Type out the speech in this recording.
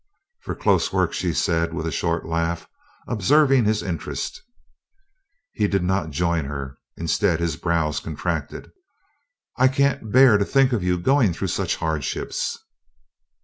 "For close work," she said, with a short laugh, observing his interest. He did not join her; instead his brows contracted. "I can't bear to think of you going through such hardships."